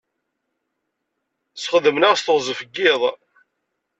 Sxedmen-aɣ s teɣzef n yiḍ.